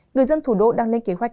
người dân thủ đô đang lên kế hoạch